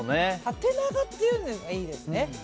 縦長っていうのがいいですね。